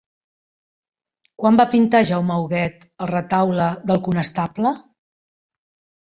Quan va pintar Jaume Huguet el Retaule del Conestable?